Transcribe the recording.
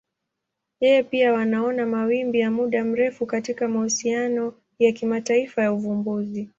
Yeye pia wanaona mawimbi ya muda mrefu katika mahusiano ya kimataifa ya uvumbuzi.